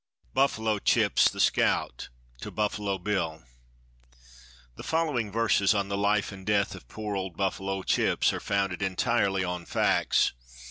BUFFALO CHIPS, THE SCOUT, TO BUFFALO BILL. [The following verses on the life and death of poor old Buffalo Chips are founded entirely on facts.